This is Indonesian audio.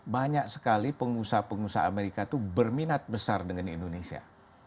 banyak sekali pengusaha pengusaha amerika itu berminat besar dengan indonesia